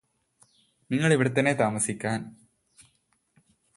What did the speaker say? നിങ്ങള് ഇവിടെത്തന്നെ താമസിക്കാൻ